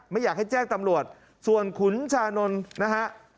ไม่อยากให้แจ้งตำรวจส่วนขุนชานนท์นะฮะ